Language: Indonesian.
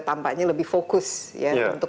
tampaknya lebih fokus ya untuk